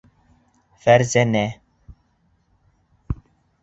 Фәрзәнә.